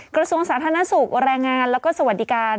กระทรวงสาธารณสุขแรงงานแล้วก็สวัสดิการ